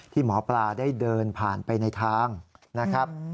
หมอปลาได้เดินผ่านไปในทางนะครับ